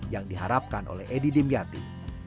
yang diharapkan oleh edi dimyati